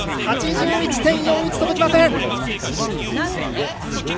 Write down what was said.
８１．４１、届きません。